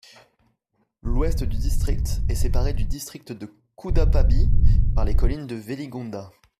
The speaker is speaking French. L'ouest du district est séparé du district de Couddapahby par les collines de Veligonda.